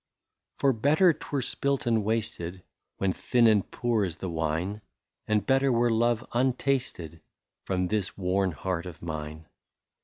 ^^ For better 't were spilt and wasted, When thin and poor is the wine ; And better were love untasted, From this worn heart of mine.